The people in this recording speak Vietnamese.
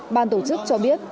ban tổ chức cho biết